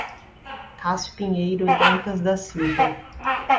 Cassio Pinheiro Dantas da Silva